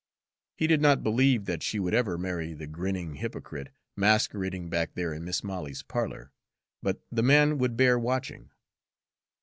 He did not believe that she would ever marry the grinning hypocrite masquerading back there in Mis' Molly's parlor; but the man would bear watching.